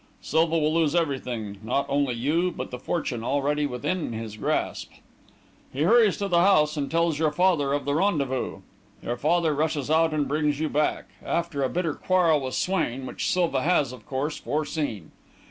Silva will lose everything not only you, but the fortune already within his grasp. "He hurries to the house and tells your father of the rendezvous. Your father rushes out and brings you back, after a bitter quarrel with Swain, which Silva has, of course, foreseen.